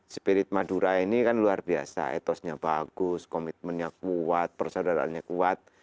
spirit madura ini kan luar biasa etosnya bagus komitmennya kuat persaudaraannya kuat